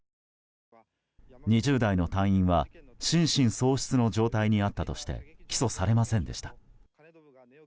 ２０代の隊員は心神喪失の状態にあったとして起訴されませんでした。